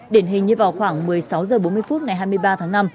điển hình như vào khoảng một mươi sáu h bốn mươi phút ngày hai mươi ba tháng năm